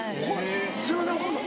すいません岡本さん